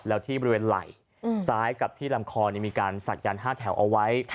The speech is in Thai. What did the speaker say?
แล้วที่บริเวณไหล่ซ้ายกับที่ลำคอมีการศักดัน๕แถวเอาไว้